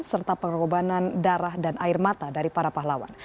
serta pengorbanan darah dan air mata dari para pahlawan